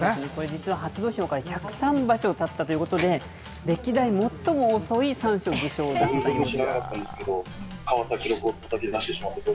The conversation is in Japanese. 実は、初土俵から１０３場所だったということで、歴代最も遅い三賞受賞ということです。